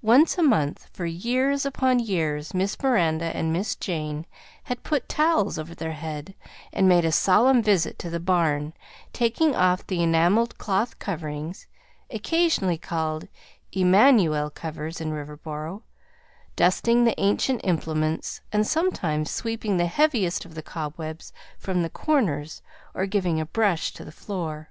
Once a month for years upon years, Miss Miranda and Miss Jane had put towels over their heads and made a solemn visit to the barn, taking off the enameled cloth coverings (occasionally called "emmanuel covers" in Riverboro), dusting the ancient implements, and sometimes sweeping the heaviest of the cobwebs from the corners, or giving a brush to the floor.